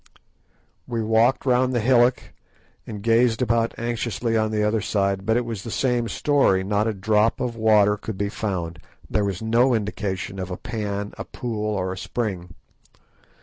We walked round the hillock and gazed about anxiously on the other side, but it was the same story, not a drop of water could be found; there was no indication of a pan, a pool, or a spring.